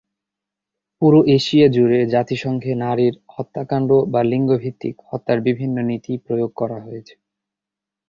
পুরো এশিয়া জুড়ে জাতিসংঘে নারীর হত্যাকাণ্ড বা লিঙ্গ ভিত্তিক হত্যার বিভিন্ন নীতি প্রয়োগ করা হয়েছে।